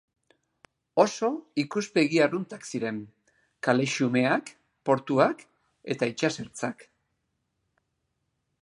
Oso ikuspegi arruntak ziren: kale xumeak, portuak eta itsasertzak.